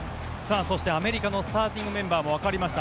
そしてアメリカのスターティングメンバーもわかりました。